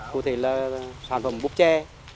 cụ thể là sản phẩm búp chè